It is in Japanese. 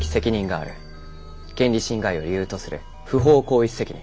権利侵害を理由とする不法行為責任。